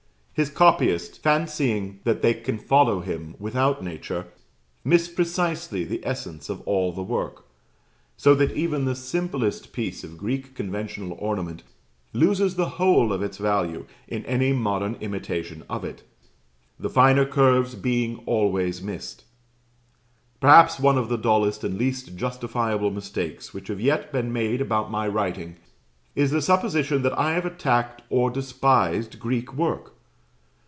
His copyists, fancying that they can follow him without nature, miss precisely the essence of all the work; so that even the simplest piece of Greek conventional ornament loses the whole of its value in any modern imitation of it, the finer curves being always missed. Perhaps one of the dullest and least justifiable mistakes which have yet been made about my writing, is the supposition that I have attacked or despised Greek work.